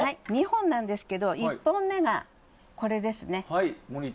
２本なんですけど１本目がこれですね。